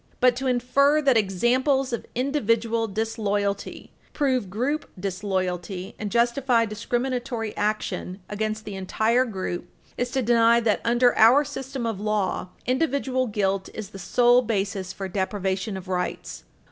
But to infer that examples of individual disloyalty prove group disloyalty and justify discriminatory action against the entire group is to deny that, under our system of law, individual guilt is the sole basis for deprivation of rights.